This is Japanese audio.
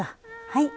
はい。